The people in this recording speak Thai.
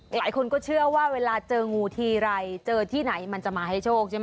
หลายคนก็เชื่อว่าเวลาเจองูทีไรเจอที่ไหนมันจะมาให้โชคใช่ไหม